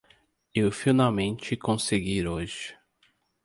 Eu finalmente consegui hoje.